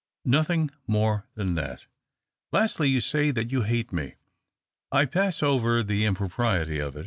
Nothing more than that. Lastly, you say that you hate me. I pass over the impropriety of it.